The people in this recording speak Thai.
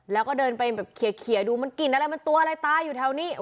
แล้วก็เดินไปแบบเขียดูมันกลิ่นอะไรมันตัวอะไรตายอยู่แถวนี้